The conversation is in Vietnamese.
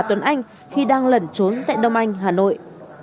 tuấn anh khi đang lẩn trốn tại đông anh hà nội